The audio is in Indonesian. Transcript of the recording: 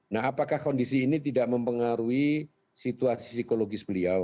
nah apakah kondisi ini tidak mempengaruhi situasi psikologis beliau